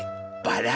バラ。